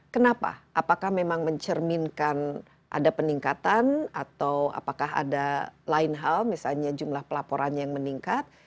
kenapa apakah memang mencerminkan ada peningkatan atau apakah ada lain hal misalnya jumlah pelaporannya yang meningkat